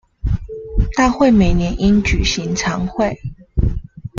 大會每年應舉行常會